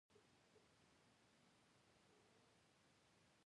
سپين ږيري د جومات مخې ته ناسته کوي.